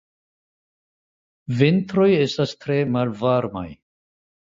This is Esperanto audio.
Vintroj estas tre malvarmaj.